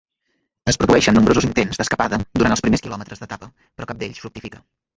Es produeixen nombrosos intents d'escapada durant els primers quilòmetres d'etapa, però cap d'ells fructifica.